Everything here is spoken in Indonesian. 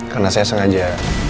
karena saya sengaja